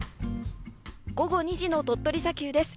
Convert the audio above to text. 午後２時の鳥取砂丘です。